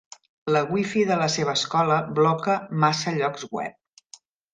La WiFi de la seva escola bloca massa llocs web.